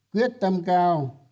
quyết tâm cao